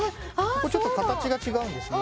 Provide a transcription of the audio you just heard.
ここちょっと形が違うんですね